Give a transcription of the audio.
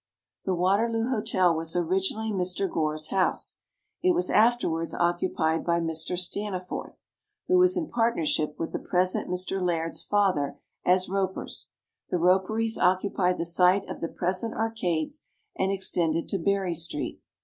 The Waterloo Hotel was originally Mr. Gore's house. It was afterwards occupied by Mr. Staniforth, who was in partnership with the present Mr. Laird's father as ropers. The roperies occupied the site of the present Arcades, and extended to Berry street.